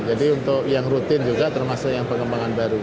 jadi untuk yang rutin juga termasuk yang pengembangan baru